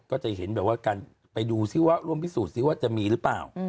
ก็จะเห็นแบบว่าการไปดูซิว่าร่วมพิสูจนซิว่าจะมีหรือเปล่า